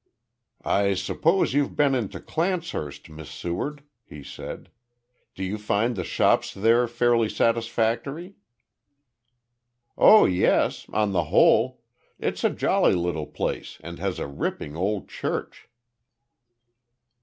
"I suppose you've been into Clancehurst, Miss Seward," he said. "Do you find the shops there fairly satisfactory?" "Oh yes on the whole. It's a jolly little place and has a ripping old church."